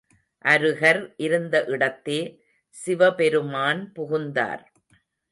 அருகர் இருந்த இடத்தே சிவபெருமான் புகுந்தார்.